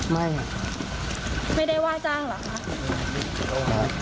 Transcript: ไม่ได้ว่าจ้างเหรอ